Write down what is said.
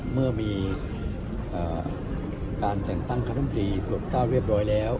เมื่อมีการแต่งตั้งคัตุมพรีโบสถ์๙เรียบร้อยแล้ว